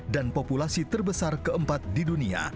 dan populasi terbesar keempat di dunia